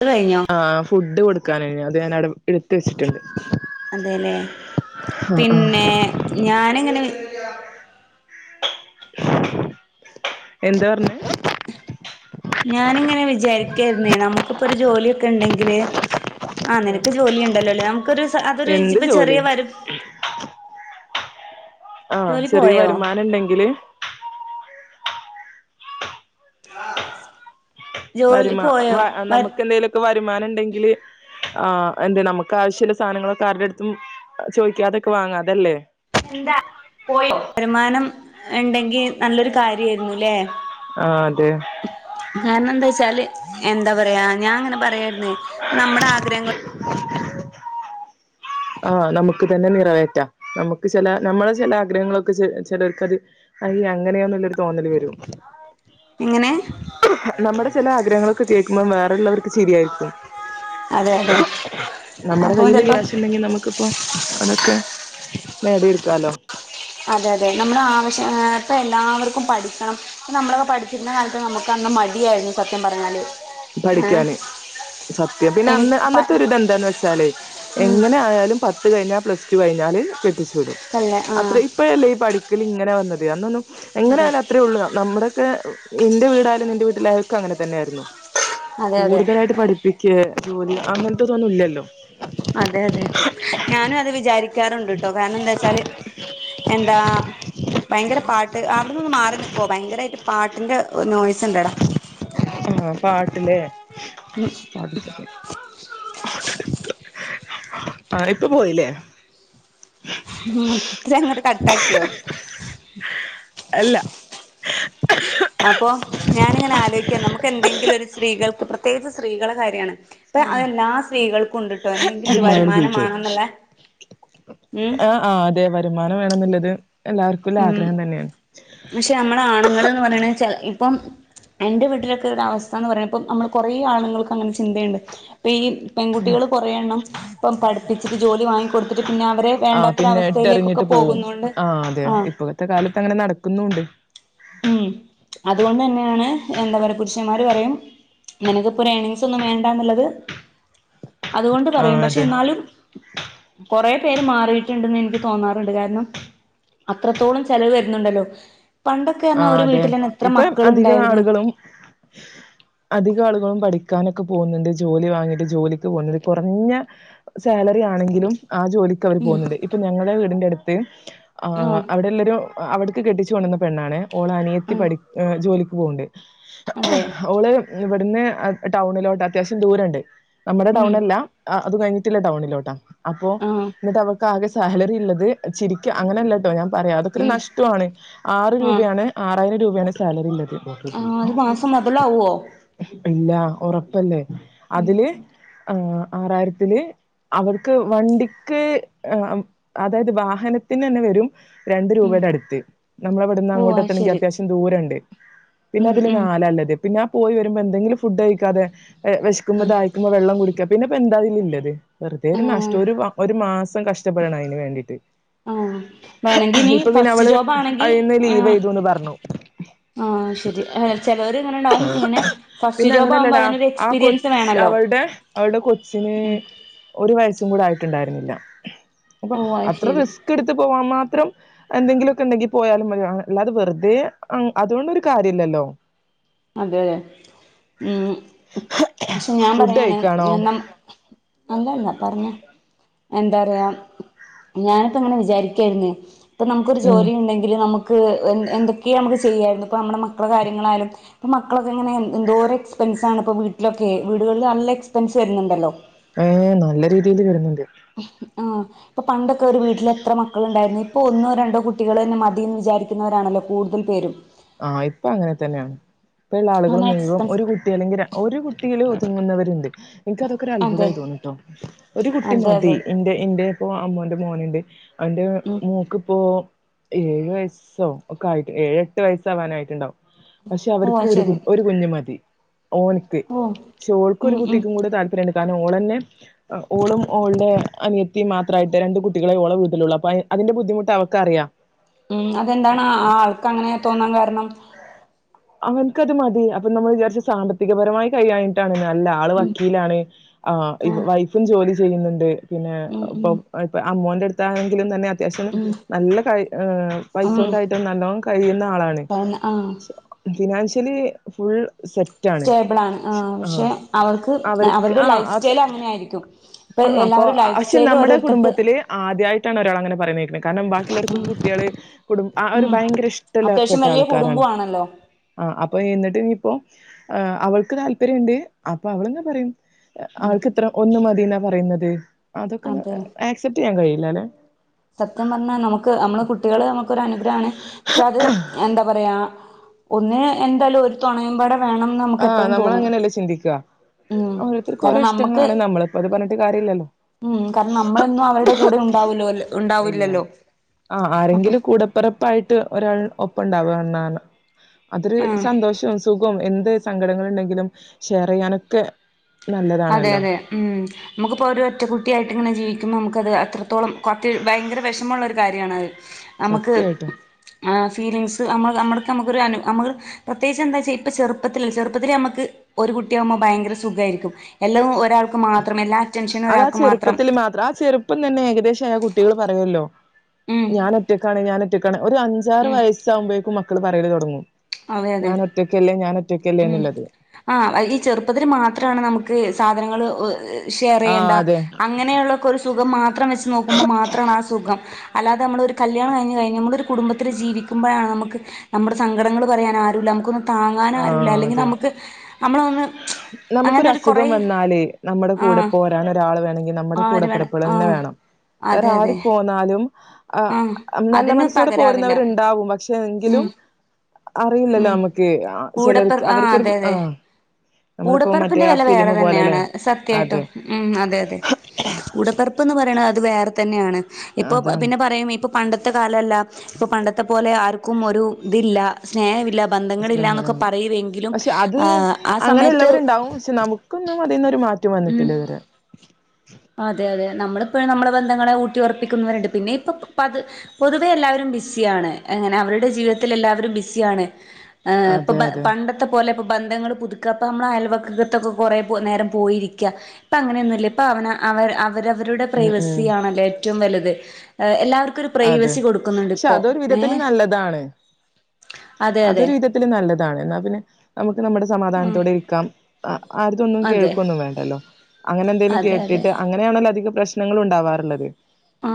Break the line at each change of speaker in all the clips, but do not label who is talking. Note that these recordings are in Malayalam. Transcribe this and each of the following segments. അത് കഴിഞ്ഞോ
ആ ഫുഡ് കൊടുക്കാന അ ഞ അവിടെ എടുത്ത വച്ചിട്ടുള്ളണ്ട്
അതേലെ
ആ ആ
പിന്നെ ഞാനങ്ങനെ
എന്താ പറഞ്ഞേ
ഞാനിങ്ങനെ വിചാരിക്കായിരുന്നേ നമുക്കിപ്പൊ ഒരു ജോലിയൊക്കെ ഒണ്ടെങ്കില് ആ നിനക്ക് ജോലിയുണ്ടല്ലോ ല്ലാം ക്കൊരു സ അതൊരു
എന്ത്
ഇപ്പൊ
ജോലി
ചെറിയ വരു
ആ ചെറിയ വരുമാനണ്ടെങ്കില്
ജോലി
വരുമാ
പോയോ വ
നമുക്ക് എന്തെലുവൊക്കെ വരുമാന ണ്ടെങ്കിൽ ആ എന്തെ നമുക്ക് ആവശ്യമുള്ള സാധനങ്ങളൊക്കെ ആരുടെ അടുത്തും ചോദിക്കാതൊക്കെ വാങ്ങാം അതല്ലേ
വരുമാനം ഇണ്ടെങ്കി നല്ലൊരു കാര്യയിരുന്നുല്ലേ
ആ അതെ
വച്ചാല് എന്താ പറയാ ഞാൻ അങ്ങനെ പറയായിരുന്നേ നമ്മുടെ ആഗ്രഹങ്ങ
ആ നമുക്ക് തന്നെ നിറവേറ്റാം നമുക്ക് ചെല നമ്മളെ ചെല ആഗ്രഹങ്ങളൊക്കെ ചെ ചെലർക്കത് അയ്യേ അങ്ങനെയെ ന്നുള്ളൊരു തോന്നല് വരും
എങ്ങനെ
നമ്മുടെ ചില ആഗ്രഹങ്ങളൊക്കെ കേൾക്കുമ്പോം വേറെള്ളവർക്ക് ചിരിയായിരിക്കും
അതെ അതെ അപ്പൊ ചെ ലപ്പോ
പ്പൊ അതൊക്കെ നേടിയെടുക്കാലോ
അതെ അതെ നമ്മള് ആവശ്യം ഇപ്പൊ എല്ലാവർക്കും പഠിക്കണം നമ്മളൊക്കെ പഠിച്ചിരുന്ന കാലത്ത് നമുക്ക് അന്ന് മടിയായിരുന്നു സത്യം പറഞ്ഞാല് ഏ
പഠിക്കാന് സത്യം പിന്നെ അന്ന്
എനിക്ക് പ
അന്നത്തെ ഒരു ഇതെന്താന്ന് വെച്ചാല്
ഉം
എങ്ങനെ ആയാലും പത്ത് കഴിഞ്ഞാ പ്ലസ് ടു കഴിഞ്ഞാല് കെട്ടിച്ചുവിടും
അല്ലേ ആ
അത്ര ഇപ്പഴല്ലേ ഈ പഠിക്കല് ഇങ്ങനെ വന്നത് അന്നൊന്നും
അതെ
എങ്ങനെയായാലും അത്രേ ഉള്ളു നമ്മുടൊക്കെ ഇന്റെ വീടായാലും നിന്റെ വീട്ടിലായാലൊക്കെ അങ്ങനെതന്നെ യായിരുന്നു
അതെ അതെ
കൂടുതലായിട്ട് പഠിപ്പിക്കേ ജോലി അങ്ങനത്തെതൊന്നും ഇല്ലല്ലോ
അതെ അതെ ഞാനും അത് വിചാരി രിക്കാറണ്ട് ട്ടോ കാരണം എന്താച്ചാല് എന്താ ഭയങ്കര പാട്ട് അവിട്ന്നൊന്ന് മാറി നിക്കുവോ ഭയങ്കരായിട്ട് പാട്ടിന്റെ നോയിസ് ഇണ്ടെടാ
ആ പാട്ട്ലേ ആ ഇപ്പൊ പോയില്ലേ
മൊത്തത്തി അങ്ങട്ട് കട്ടാക്കിയോ
അല്ല
അപ്പൊ ഞാനിങ്ങനെ ആലോചിക്ക നമുക്ക് എന്തെങ്കിലും ഒരു സ്ത്രീകൾക്ക് പ്രത്യേകിച്ച് സ്ത്രീകളെ കാര്യാണ് അപ്പ
സൗണ്ട്
അതെല്ലാ സ്ത്രീകൾക്കും ഉണ്ട്ട്ടോ എന്തെങ്കിലും
ഇത്
ഒരു
മ
വരുമാനം മാണന്നുള്ള ഉം
വേണെന്ന്ല്ലത്
ഉം പക്ഷെ നമ്മടെ ആണുങ്ങൾ എന്ന് പറയണ ചില ഇപ്പം എൻ്റെ വീട്ടിലൊക്കെ ഒരു അവസ്ഥാന്ന് പറയും ഇപ്പം നമ്മൾ കുറേ ആണുങ്ങൾക്ക് അങ്ങനെ ചിന്തയുണ്ട് ഇപ്പം ഈ പെൺകുട്ടികൾ കൊറെ എണ്ണം ഇപ്പം പഠിപ്പിച്ചിട്ട് ജോലി വാങ്ങിക്കൊടുത്തിട്ട് പിന്നെ അവര്
ആഹ് പിന്നെ
വേണ്ടാത്തൊരവസ്ഥയിലേക്കൊക്കെ
ഇട്ടെറിഞ്ഞിട്ട് പോവും
പോകുന്നോണ്ട്
ആഹ് അതെ
ആഹ്
ഇപ്പോഴത്തെ കാലത്ത് അങ്ങനെ നടക്കുന്നു ഉണ്ട്
ഉം അതുകൊണ്ട് തന്നെയാണ് എന്താ പറയുക പുരുഷന്മാര് പറയും നിനക്ക്പ്പോ ഒരു ഏണിങ്സ് ഒന്നും വേണ്ട എന്നുള്ളത് അതുകൊണ്ട് പറയും
ആഹ്
പക്ഷെ
അതെ
എന്നാലും കൊറേ പേര് മാറിയിട്ടുണ്ടെന്ന് എനിക്ക് തോന്നാറുണ്ട് കാരണം അത്രത്തോളം ചെലവ് വരുന്നുണ്ടല്ലോ പ
ആ അതെ ഇപ്പം അധികം ആളുകളും അധിക ആളുകളും പഠി പടിക്കാനൊക്കെ പോകുന്നുണ്ട് ജോലി വാങ്ങിയിട്ട് ജോലിക്ക് പോകുന്നുണ്ട് കുറഞ്ഞ സാലറി ആണെങ്കിലും ആ ജോലിക്ക് അവര്
ഉം
പോകുന്നുണ്ട് ഇപ്പൊ ഞങ്ങടെ വീടിന്റെ അടുത്ത് ആ
ആഹ്
അവിടെല്ലൊരു അ അവിടക്ക് കെട്ടിച്ച് കൊണ്ട്‌ വന്ന് പെണ്ണാണ് ഓള അനിയത്തി
ആഹ്
പഠി ഏ ജോലി പോവുണ്ട്
അതെ
ഓള് ഇവിടുന്ന് ടൗണിലോട്ട് അത്യാവശ്യം ദൂരണ്ട് നമ്മുടെ
ഉം
ടൗണല്ലാ ആ അത് കഴിട്ടില്ലേ ടൗണിലോട്ട് അപ്പോ
ആഹ്
എന്നിട്ട് അവർക് ആകെ സാലറി ഉള്ളത് ചിരിക്ക അങ്ങനെയല്ലാട്ടോ ഞാൻ പറയാം അതൊക്കെ ഒരു
ഉം
നഷ്ടവാണ് ആറ്
ആഹ്
രൂപയാണ് ആ ആയിയിരം രൂപയാണ് സാലറി
ആഹ് അത്
അല്ലേ
മാസം മൊതലാവോ
[inaudible] ഇല്ല ഉറപ്പല്ലേ
ഉം
അതില് ആറായിരത്തില് അവർക്ക് വണ്ടിക്ക് അതായത് വാഹനത്തിന് തന്നെ വരും രണ്ട്
ഉം
രൂപയുടെ അടുത്ത് നമ്മളെ ഇവിടന്ന്
ഓഹ്
അങ്ങോട്ട്
അത്
എത്തണമെങ്കി
ശരി
അത്യാവശ്യം ദൂ രണ്ട് പിന്നെ
ഉം
അതില്
ഉം
നാലല്ലത് പിന്നെ ആ പോയി വരുമ്പോ എന്തെങ്കിലും ഫുഡ് കഴിക്കാതെ വിശക്കുമ്പോ
ഉം
ദാഹിക്കുമ്പോൾ വെള്ളം കുടിക്ക- പിന്നെപ്പൊ എന്താ ആയില് ഇള്ളത് വെറുതെ ഒരു
ആഹ്
നഷ്ടം ഒരു ഒരു മാസം കഷ്ടപ്പെടണം അതിന് വേണ്ടിട്ട്
ആഹ് വേണെങ്കി ഇനി
ഇപ്പൊ പിന്നെ
ഫസ്റ്റ്
അവള്
ജോബാണെങ്കി
അതിൽന്ന് ലീവ്
ആഹ്
ചെയ്തുന്ന് പറഞ്ഞു
ആഹ് ശരി ചിലവർ ഇങ്ങനെണ്ടാവും ഇങ്ങനെ ഫസ്റ്റ്
പിന്നെ
ജോബ് ആകുമ്പോ
അങ്ങനെയല്ലടാ
അതിനൊരു
ആ
എക്സ്പീരിയൻസ്
കൊച്ച്
വേണല്ലോ
അവളുടെ അവളടെ കൊച്ചിന് ഒരു വയസ്സും കൂടെ ആയി റ്റ്ണ്ടായിരുന്നില്ല അപ്പൊ
ഓ അത്
അത്ര
ശരി
റിസ്ക് എടുത്ത് പോവാൻ മാ ത്രം എന്തെങ്കിലൊക്കെണ്ടെങ്കി പോയാലും [unintelligible] അല്ലാതെ വെറുതെ അ അതുകൊണ്ടൊരു കാര്യ ഇല്ലല്ലോ
അതെ ഉം പക്ഷെ ഞാൻ
ഫുഡ്
പറയാണ്
കഴിക്കാണോ
കാരണം അല്ലല്ല പറഞ്ഞോ എന്താ പറയാ ഞാനിപ്പോ ഇങ്ങനെ വിചാരിക്കായിരുന്നേ ഇപ്പം നമുക്കൊരു
ഉം
ജോലി ഉണ്ടെങ്കില് നമുക്ക് എ എന്തൊക്കെയാ നമു- ചെയ്യായിരുന്നു ഇപ്പ നമ്മടെ മക്കള കാര്യങ്ങളായാലും ഇപ്പോ മക്കളൊക്കെ ഇങ്ങനെ എന്തോരം എക്സ്പെൻസാണ് ഇപ്പോ വീട്ടിലൊക്കെയേ വീടുകളിൽ നല്ല എക്സ്പെൻസ് വരുന്നുണ്ടല്ലോ
ഏഹ് നല്ല രീതിയില് വരുന്നുണ്ട്
ആ ഇപ്പൊ പണ്ടൊക്കെ ഒരു വീട്ടിലെത്ര മക്കളുണ്ടായിരുന്നു ഇപ്പൊ ഒന്നോ രണ്ടോ കുട്ടികളന്നെ മതിയന്ന് വിചാരിക്കുന്നവരാണല്ലോ കൂടുതൽ പേരും
ആഹ ഇപ്പൊ അങ്ങനെ തന്നെയാണ് ഇപ്പ ഇള്ള ആളുകള്
അങ്ങനെ
മുഴുവൻ
എക്സ്പെൻസ്
ഒരു കുട്ടി അല്ലെങ്കിൽ ഒരു കുട്ടിയില് ങ്ങുന്നവരുണ്ട് എനക്കതൊക്കെ ഒരു
അതെ
അത്ഭുതമായി തോന്നിട്ടോ ഒരു കുട്ടി
അതെ
മതി
അതെ
എന്റെ എന്റെ ഇപ്പോ അമ്മോന്റെ മോനുണ്ട് [unintelligible] എന്റെ
ഉം
മോക്ക് ഇപ്പോ ഏഴ് വയസ്സോ ഒക്കെ ആയിട്ട് ഏഴ- എട്ട് വയസാവാനായിട്ടുണ്ടാവും പക്ഷെ
ഓ
അവർക്ക്
അത്
ഒരു
ശരി
ഒരു കുഞ്ഞ് മതി ഓനിക്ക്
ഓ
പക്ഷേ ഓൾക്ക് ഒരു
ഉം ഉം
കുട്ടിക്കും കൂടെ താല്പര്യംണ്ട് കാരണം ഓളന്നെ ഏഹ് ഓളും ഓളുടെ അനിയത്തീം മാത്രമായിട്ട് രണ്ട് കുട്ടികളെ ഓളെ വീട്ടിലുള്ളു അപ്പൊ അതിന്റെ ബുദ്ധിമുട്ട് അവക്ക് അറിയാം
ഉം അതെന്താണ് ആൾക്ക് അങ്ങനെ തോന്നാൻ കാരണം
അവന്ക്ക് അത് മതി അപ്പൊ നമ്മൾ വിചാരിച്ച് സാമ്പത്തികപരമായി കഴിയാഞ്ഞിട്ടാണെന്ന് അല്ല ആള്
ഉം
വക്കീലാണ് വൈഫും ആഹ് ജോലി ചെയ്യുന്നുണ്ട് പിന്നെ
ഉം ഉം
ഇപ്പം ആ മോന്റടുത്ത് ത്താണെങ്കിലും തന്നെ അത്യാവശ്യം
ഉം
നല്ല കയി പൈസ
ഉം
ഒണ്ടായിട്ട് നല്ലോണം കയിയുന്ന ആളാണ്
കാരണം ആഹ്
ഫിനാൻഷ്യലി ഫുൾ സെറ്റാണ്
സ്റ്റേബ്ളാണ് ആ പക്ഷെ അവർക്ക്
അവർക്ക്
അവരുടെ
ആ
ലൈഫ് സ്റ്റൈൽ അങ്ങനെ ആയിരിക്കും ഇപ്പൊ
ആ അപ്പൊ
എല്ലാവരും ലൈഫ്
ക്ഷെ
സ്റ്റൈലും
നമ്മടെ
ഓരോരുത്തർക്ക്
കുടുംബത്തില് ആദ്യായിട്ടാണ് [unintelligible] കാരണം ബാക്കിയുള്ളർക്ക്
ഉം
കുട്ടിയാള് കുടുംബ ആ ഒരു
ഉം
ഭയങ്കര ഇഷ്ടല്ല പ്പെട്ട
അത്യാവശ്യം വലിയ
ആൾക്കാരാണ്
കുടുംബമാണല്ലോ
ആ അപ്പ എന്നിട്ട് ഇനിയിപ്പോ ആ അവൾക്ക് താല്പര്യംണ്ട് അപ്പ അവള്ങ്ങനെ പറയും
ഉം
ആൾക്ക് ഇത്ര ഒന്ന് മതി പറയ്ന്നത് അതൊക്കെന്ന്
അതെ
ആക്സെറ്റ് ചെയ്യണ്ടെ [unintelligible]
സത്യം പറഞ്ഞാ നമുക്ക് നമ്മള് കുട്ടികള് നമുക്കോരു അനു ക്ഷെ അത് എന്താ പറയാ ഒന്ന് എന്തായാലും ഒരു തോണയുമ്പാടെ വേണംന്ന് നമുക്ക്
ആഹ്
എപ്പോഴും തോന്നും
നമ്മളങ്ങനെയല്ലേ ചിന്തിക്കുക
ഉം
ഓരോരുത്തർക്ക് ഓരോ
കാരണം നമ്മക്ക്
ഇഷ്ടങ്ങളാണ് നമ്മളിപ്പോ അത് പറഞ്ഞിട്ട് കാര്യല്ലല്ലോ
ഉം കാരണം നമ്മളൊന്നും അവരുടെ കൂടെ ഉണ്ടാവല്ലോ അല്ല
ഇല്ല ആഹ ആരെങ്കിലും കൂടപ്പറപ്പായിട്ട് ഒരാൾ ഒപ്പം ഉണ്ട അവ അന്നാണ് അതൊരു
ആഹ്
സന്തോഷവും സുഖവും എൻ ന്ദ് സങ്കടങ്ങള്ണ്ടെങ്കിലും ഷെയർ ചെയ്യാനൊക്കെ
അതെ
നല്ലതാണല്ലോ
അതെ ഉം നമുക്പ്പോര് ഒറ്റ കുട്ടിയായിട്ട്ങ്ങനെ ജീവിക്കുമ്പം നമുക്കത് അത്രത്തോളം കൊത്തി ഭയങ്കര വിഷമുള്ള ഒരു കാര്യണത്
സത്യായിട്ടും
ആഹ് ഫീലിങ്സ് അമ്മള് അമ്മട്ക്കമ്മ് ക്കൊരു അനു അമക് പ്രത്യേകിച്ചെന്താച്ച ഇപ്പ ചെറുപ്പത്തില് ചെറുപ്പത്തിൽ ഞമ്മക്ക് ഒരു കുട്ടിയാകുമ്പോ ഭയങ്കര സുഗായിരിക്കും എല്ലവും ഒരാക്ക് മാത്രം എല്ലാ അറ്റൻഷനും
അതാ
ഒരാൾക്ക്
ചെറുപ്പത്തിൽ മാത്രം ആ ചെറുപ്പം തന്നെ ഏകദേശ ആ കുട് ട്ടികള് പറയല്ലോ
ഉം
ഞാനൊറ്റക്കാണ് ഞാനൊറ്റക് ഒരു അഞ്ചാറ് വയസ്സാകുമ്പഴേക്കും മക് കള് പറയൽ തൊടങ്ങും
അതെ അതെ ഉം
എന്നുള്ളത്
ആ ഈ ചെറ് പ്പത്തില് മാത്രാണ് നമുക്ക് സാധനങ്ങള്
ആ
ഷെയറെയ്യണ്ട
അതെ
അങ്ങനെയുള്ളൊക്കൊരു സുഖം മാത്രം വെച്ച് നോക്കുമ്പോ മാത്രാണാ സുഖം അല്ലാതെ നമ്മള് ഒരു കല്യാണം കഴിഞ്ഞ് കഴിഞ്ഞ് നമ്മള് ഒരു കുടുംബത്തിൽ ജീവിക്കുമ്പോളാണ് നമുക്ക് നമ്മുടെ സങ്കടങ്ങളും പറയാൻ ആരുമില്ല നമുക്ക്
ആ അതെ
നമ്മളൊന്ന് അങ്ങനെ
നമുക്കൊരു
ഒരു കൊറേ
അസുഖം വന്നാലേ നമ്മുടെ കൂടെ
ആഹ്
പോരാൻ ഒരാൾ വേണ നമ്മുടെ
ആര് വേണം
കൂടെപ്പിറപ്പുകൾ തന്നെ
ആഹ്
വേണം വേറെ
അതെ
ആര്
അതെ
പോന്നാലും ആഹ് നല്ല
അതിന്
മനസ്സോടെ
പകരാവില്ല
പോരുന്നവരുണ്ടാവും പക്ഷെ
ഉം
എങ്കിലും അറിയില്ലല്ലോ നമുക്ക് ചിലർക്ക്
കൂടപ്പറപ്പ് ആ
അവർക്കൊരു
അതെ
ആ
അതെ
നമ്മളിപ്പോ മറ്റേ
കൂടപ്പിറപ്പിന്റെ
ആ
വില
ഫിലിം
വേറെ
പോലെല്ലേ
തന്നെയാണ് സത്യമായിട്ടും
അതെ
ഉം അതെ അതെ കൂടപ്പിറപ്പ് പറയണത് അത് വേറെ തന്നെയാണ് ഇപ്പൊ
അതാണ്
പിന്നെ പറയും ഇപ്പൊ പണ്ടത്തെ കാലമല്ല ഇപ്പോൾ പണ്ടത്തെ പോലെ ആർക്കും ഒരു ഇതില്ല സ്നേഹമില്ല ബന്ധങ്ങളില്ല എന്നൊക്കെ
[unintelligible]
പറയുമെങ്കിലും
പക്ഷെ അത്
ആ ആ സമയത്ത്
അങ്ങനെയുള്ളവരുണ്ടാവും പക്ഷെ നമുക്കൊന്നും അതിൽനിന്നൊരു മാറ്റം
ഉം
വന്നിട്ടില്ല ഇത് വരെ
അതെ അതെ നമ്മളിപ്പോഴും നമ്മുടെ ബന്ധങ്ങളെ ഊട്ടി ഉറപ്പിക്കുന്നവരുണ്ട് പിന്നെ ഇപ്പ പ പൊതുവെ എല്ലാവരും ബിസ്സിയാണ് എങ്ങനെ അവരുടെ ജീവിതത്തിൽ എല്ലാവരും ബിസ്സിയാണ് ആഹ് ഇപ്പൊ
അതെ അതെ
പണ്ടത്തെ പോലെ ബന്ധങ്ങൾ പുതുക്കുക അപ്പ നമ്മുടെ അയൽവക്കത്തൊക്കെ കൊറേ നേരം പോയിരിക്കുക ഇപ്പൊ അങ്ങനെയൊന്നുമില്ല ഇപ്പൊ അവന അവർ അവ അവരവരുടെ
ഉം ഉം
പ്രൈവസിയാണല്ലേ ഏറ്റവും വലുത് എല്ലാവർ
അതെ പക്ഷെ അതൊരു വിധത്തിൽ നല്ലതാണ്
അതെ അതെ
അതൊരു വിധത്തിൽ നല്ലതാണ് എന്നാ പിന്നെ നമുക്ക് നമ്മുടെ സമാധാനത്തോടെ ഇരിക്കാം ആ ആർടേതൊന്നും
അതെ
കേൾക്കുവൊന്നും വേണ്ടല്ലോ അങ്ങനെന്തേലും
അതെ അതെ
കേട്ടിട്ട് അങ്ങനെയാണല്ലോ അധികം പ്രശ്നങ്ങൾ ഉണ്ടാവാറുള്ളത്
ആ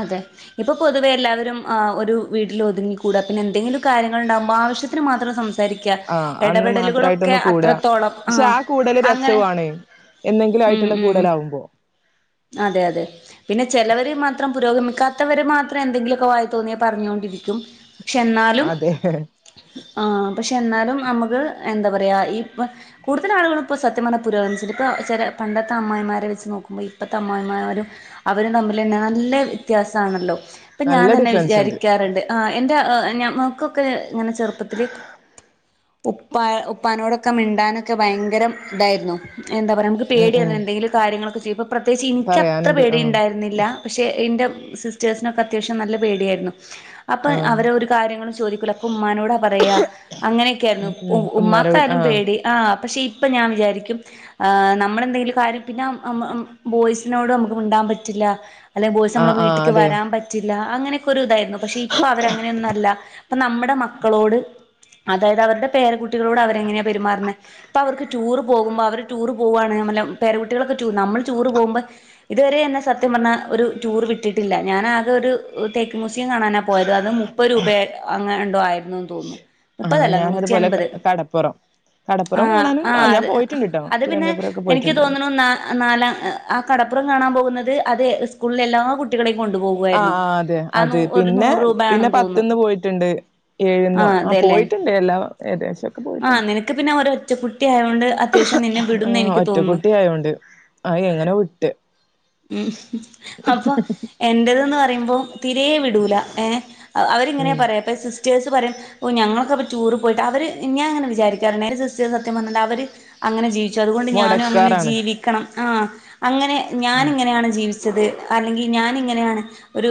അതെ ഇപ്പൊ പൊതുവെ എല്ലാവരും ആ ഒരു വീട്ടിൽ ഒതുങ്ങി കൂടാ പിന്നെ എന്തെങ്കിലും കാര്യങ്ങൾ ഉണ്ടാകുമ്പോൾ ആവശ്യത്തിന് മാത്രം സം
ആഹ് അന്ന് മാത്രായിട്ടൊന്ന് കൂടുക
അത്രത്തോളം
പക്ഷെ
ആഹ്
ആ കൂടല്
അങ്ങനെ
രസവുമാണ് എന്നെങ്കിലും
ഉം
ആയിട്ടുള്ള
ഉം
കൂടല് ആകുമ്പോ
അതെ അതെ പിന്നെ ചിലര് മാത്രം പുരോഗമിക്കാ ക്കാത്തവര് മാത്രം എന്തെങ്കിലുമൊക്കെ വായിൽ തോന്നിയത് പറഞ്ഞുകൊണ്ടേയിരിക്കും പക്ഷെ എന്നാലും
അതെ
ആഹ് പക്ഷെ എന്നാലും നമുക്ക് എന്താ പറയുക ഇപ്പോം കൂടുതൽ ആളുകളും ഇപ്പോൾ സത്യം പറഞ്ഞാല് പുരോഗമിച്ചിട്ടുണ്ട് ഇപ്പോൾ ചില പണ്ടത്തെ അമ്മായിയമ്മമാരെ വെച്ച് നോക്കുമ്പോൾ ഇപ്പോഴത്തെ അമ്മായിയമ്മമാരും അവരും തമ്മിൽ നല്ല വ്യത്യാസമാണല്ലോ അപ്പൊ ഞാൻ
നല്ല
തന്നെ
ഡിഫറൻസ് ഉണ്ട്
വിചാരിക്കാറുണ്ട് ആ എൻ്റെ ആഹ് പിന്നെ നമൾക്കൊക്കെ ഇങ്ങനെ ചെറുപ്പത്തില് ഉപ്പാ ഉപ്പാനോടൊക്കെ മിണ്ടാനൊക്കെ ഭയങ്കരം ഇതായിരുന്നു എന്താ പറ്യ നമുക്ക്
ഉം
പേടിയേര്ന്നു
ഉം
എന്തെങ്കിലും കാര്യങ്ങളൊക്കെ [unintelligible] പ്രത്യേകിച്ച് ഇൻക്കത്ര
പറയാനും
പേടി
ആഹ്
ഉണ്ടായിരുന്നില്ല പക്ഷേ ഇൻ്റെ സിസ്റ്റേഴ്സിനൊക്കെ അത്യാവശം നല്ല പേടിയായിരുന്നു അപ്പൊ
ആഹ്
അവര് ഒരു കാര്യങ്ങളും ചോദിക്കൂല ഒക്കെ ഉമ്മാനോട പറയാ അങ്ങനെയൊക്കെയായിരുന്നു
ഉം ഉം ഉമ്മാരെ വീ
ഉമ്മാക്കായാലും
ആഹ്
പേടി ആ പക്ഷെ ഇപ്പം ഞാൻ വിചാരിക്കും നമ്മളെന്തെങ്കിലും കാര്യം പിന്നാ യ്സിനോട് നമുക്ക് മുണ്ടാൻ പറ്റില്ല അല്ലെങ്കിൽ ബോയിസ് നമ്മള
ആഹ് ആഹ്
വീട്ടിക്ക്
അതെ
വരാൻ പറ്റില്ല അങ്ങനെ ക്കൊരു ഇതായിരുന്നു പക്ഷെ ഇപ്പൊ അവരങ്ങനെയൊന്നു അല്ല അപ്പം നമ്മുടെ മക്കളോട് അതായത് അവരുടെ പേര കുട്ടികളോട് അവരെങ്ങനെയാണ് പെരുമാറുന്നെ ഇപ്പ അവർക്ക് ടൂറ് പോകുമ്പോൾ അവർ ടൂറ് പോവാണ് [unintelligible] പേരകുട്ടികളൊക്കെ ടൂറ് നമ്മൾ ടൂർ പോകുമ്പോ ഇതുവരെ എന്നെ സത്യം പറഞ്ഞാൽ ഒരു ടൂർ വിട്ടിട്ടില്ല ഞാൻ ആകെ ഒരു തേക്ക് മൂ സിയം കാണാനാ പോയത് അത് മുപ്പത് രൂപ അങ്ങാ ന്തോ ആയിരുന്നുന്ന് തോന്നുന്നു
ആഹ്
മുപ്പതല്ല നൂറ്റി
ഞാനതുപോലെ ക
അൻപത്
കടപ്പുറം
ആ
കടപ്പുറം കാണാനും
ആ
ആഹ് ഞാൻ
അത്
പോയിട്ടുണ്ട് ട്ടോ
അത് പിന്നെ
തിരുവനന്തപുരൊക്കെ
എനിക്ക്
പോയിട്ടുണ്ട്
തോന്നുന്നു ന നാലാ ആ കടപ്പുറം കാണാൻ പോകുന്നത് അത് സ്കൂളിലെ എല്ലാ കുട്ടികളെയും
ആ്
കൊണ്ടുപോകുവായിരുന്നു
അതെ
ആ നൂ
അതെ
ഒരു
പിന്നെ
നൂറ്
പിന്നെ
രൂപയാണെന്ന്
പത്ത് ന്ന്
തോന്നുന്നു
പോയിട്ടുണ്ട് ഏഴ്ന്നോ
ആഹ്
ആ
അതെല്ലേ
പോയിട്ടുണ്ട് എല്ലാം ഏകദേശം നക്കെ
ആ
പോയിട്ടുണ്ട്
നിനക്ക് പിന്നെ ഒരൊറ്റക്കുട്ടി ആയോണ്ട് അത്യാവശ്യം നിന്നെ
ആ
വിടുംന്ന് എനിക്ക്
ഒറ്റ
തോന്നുന്നു.
കുട്ടി ആയോണ്ട് ആ എങ്ങനെ വിട്ട്
ഉം അപ്പൊ എന്റതന്ന് പറയുമ്പം തിരേ വിടൂല ഏഹ് അവരിങ്ങനെയാ
ഉം
പറയാ ഇപ സ് സ്റ്റേഴസ് പറിം ഞങ്ങളക്കപ്പോ ടൂറ് പോയിട്ടാ അവര് ഞാ ഇങ്ങനെ വിചാരിക്കാറ്ണ്ട് ഇൻ്റെ സിസ്റ്റേ്സ് സത്യം പറഞ്ഞാ അവര് അങ്ങനെ ജീവിച്ചു അതുകൊണ്ട് ഞാനും അങ്ങനെ
മൊടക്കാറാണ്
ജീവിക്കണം ആ അങ്ങനെ ഞാന്
ഉം
ഇങ്ങനെയാണ് ജീവിച്ചത് ച്ചത് അല്ലെങ്കിൽ ഞാനിങ്ങനെയാണ് ഒരു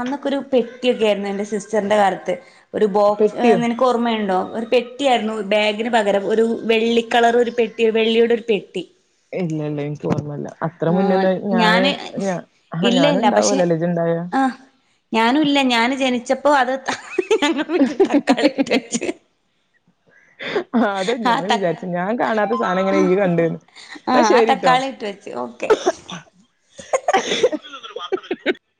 അന്നൊക്കെ ഒരു പെട്ടിയൊക്കെ ആയിരുന്നു എൻ്റെ സിസ്റ്ററിന്റെ കാലത്ത് ഒരു ബോക്സ്
പെട്ടിയോ
നിനക്ക് ഓർമ്മയുണ്ടോ ഒരു പെട്ടി ആയിരുന്നു ബേഗിന് പകരം ഒരു വെള്ളി കളർ ഒരു പെട്ടി ഒരു വെള്ളിയുടെ ഒരു പെട്ടി
ഇല്ല ഇല്ല എനിക്ക് ഓർമ്മല്ല അത്ര
ആ
മുന്നേന്ന്
ഞാന്
ഞാ ആഹ്
ഇല്ല ഇല്ല പക്ഷെ
ഞാനുണ്ടാവൂലല്ലേ ഇജ്ജ് ഇണ്ടായ
ആ ഞാനുംല്ല ഞാൻ ജനിച്ച പ്പൊ അത് ഞങ്ങൾ വീട്ടിൽ തക്കാളി ഇട്ട് വെച്ച്
ആ അത
ആ
ഞാനും
ത
വിചാരിച്ചു ഞാൻ കാണാത്ത സാധനം എങ്ങനെ ഇയ്യ് കണ്ട്ന്ന് എന്നാ
ആഹ് ആ
ശരിട്ടോ
തക്കാളി ഇട്ട് ഓക്കെ
[unintelligible]